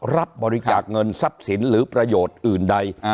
รับบริจาคเงินทรัพย์สินหรือประโยชน์อื่นใด